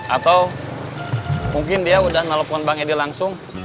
atau mungkin dia udah nelfon bang edi langsung